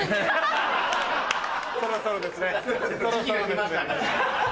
そろそろですね。